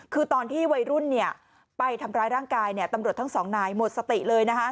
คือตอนที่วัยรุ่นไปทำร้ายร่างกายตำรวจทั้งสองนายหมดสติเลย